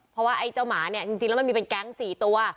เพราะว่าไอ้เจ้าหมาเนี่ยจริงแล้วมันมีเป็นแก๊ง๔ตัว